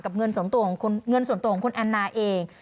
เงินส่วนตัวของคุณแอนนาเอง